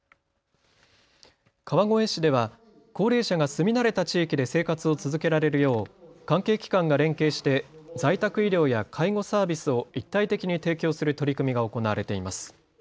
川越市では高齢者が住み慣れた地域で生活を続けられるよう関係機関が連携して在宅医療や介護サービスを一体的に提供する取り組みが行われています。